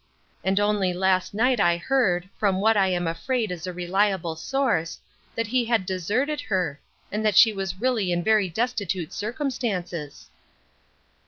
And only last night I heard, from what, I am afraid, is a reliable source, that he had deserted her, and that she was really in very destitute circumstances."